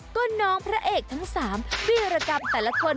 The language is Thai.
ก็น้องพระเอกทั้ง๓วิรกรรมแต่ละคน